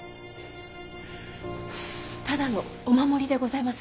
ただのお守りでございます。